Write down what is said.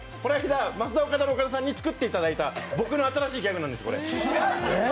ますだおかだの岡田さんに作っていただいた僕の新しいギャグなんです、これ。